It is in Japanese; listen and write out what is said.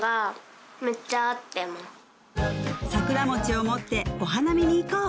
桜餅を持ってお花見に行こう！